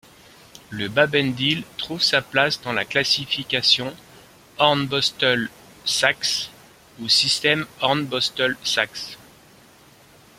Le babendil trouve sa place dans la classification Hornbostel-Sachs ou système Hornbostel-Sachs.